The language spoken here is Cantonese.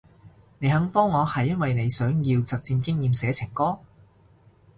你肯幫我係因為你想要實戰經驗寫情歌？